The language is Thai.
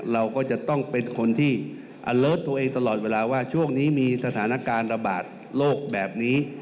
เราก็จะต้องเป็นคนที่อเลิศตัวเองตลอดเวลาว่าช่วงนี้มีสถานการณ์ระบาดโรคแบบนี้